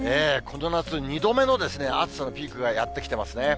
この夏、２度目の暑さのピークがやって来てますね。